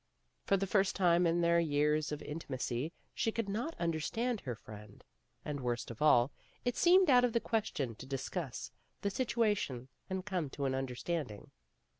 For the first time in their years of intimacy she could not understand her friend ; and worst of all, it seemed out of the question to discuss the situa tion and come to an understanding.